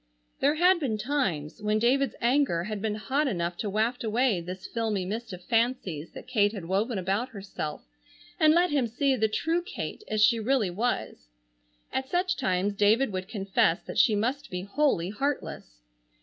There had been times when David's anger had been hot enough to waft away this filmy mist of fancies that Kate had woven about herself and let him see the true Kate as she really was. At such times David would confess that she must be wholly heartless.